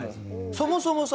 そもそもさ。